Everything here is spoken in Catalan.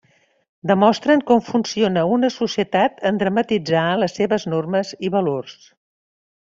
Demostren com funciona una societat en dramatitzar les seves normes i valors.